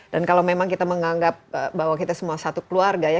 dan kalau memang kita menganggap bahwa kita semua satu keluarga ya